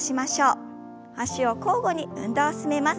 脚を交互に運動を進めます。